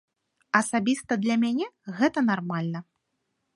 Асабіста для мяне гэта нармальна.